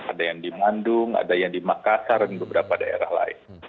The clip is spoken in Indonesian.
ada yang di mandung ada yang di makassar dan beberapa daerah lain